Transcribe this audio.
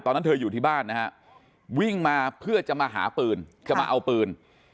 ตอนนั้นเธออยู่ที่บ้านนะฮะวิ่งมาเพื่อจะมาหาปืนจะมาเอาปืน